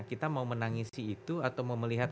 kita mau menangisi itu atau mau melihat